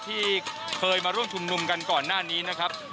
ที่เคยมาร่วมชุมนุมกันก่อนหน้านี้นะครับ